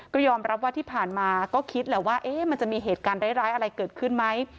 ก็ยอมรับว่าที่ผ่านมาก็คิดแหละว่ามันจะมีเหตุการณ์ร้ายอะไรเกิดขึ้นไหม